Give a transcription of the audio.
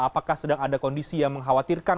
apakah sedang ada kondisi yang mengkhawatirkan